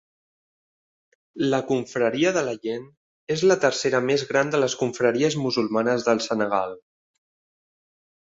La confraria de Layene és la tercera més gran de les confraries musulmanes del Senegal.